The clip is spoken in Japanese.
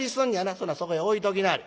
そんならそこへ置いときなはれ。